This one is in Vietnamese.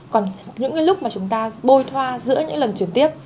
còn những cái lúc mà chúng ta bôi thoa giữa những lần chuyển tiếp